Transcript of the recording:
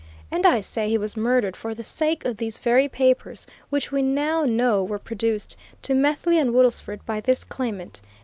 And I say he was murdered for the sake of these very papers which we now know were produced to Methley and Woodlesford by this claimant.